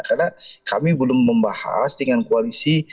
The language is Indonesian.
karena kami belum membahas dengan koalisi